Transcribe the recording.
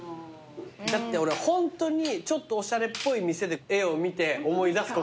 だって俺ホントにちょっとおしゃれっぽい店で絵を見て思い出すことありますもん。